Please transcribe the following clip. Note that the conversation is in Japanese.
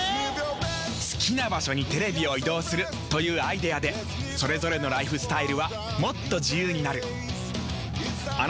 好きな場所にテレビを移動するというアイデアでそれぞれのライフスタイルはもっと自由になる。